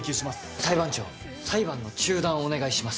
裁判長裁判の中断をお願いします。